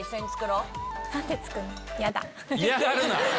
嫌がるな！